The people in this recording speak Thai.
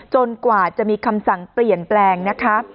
กว่าจะมีคำสั่งเปลี่ยนแปลงนะคะ